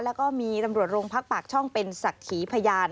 แล้วก็มีตำรวจโรงพักปากช่องเป็นศักดิ์ขีพยาน